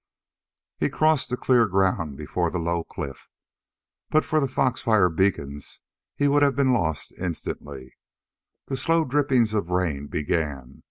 He crossed the clear ground before the low cliff. But for the fox fire beacons he would have been lost instantly. The slow drippings of rain began.